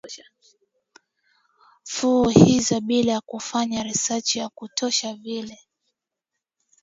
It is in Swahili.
fu hizo bila kufanya research ya kutosha vile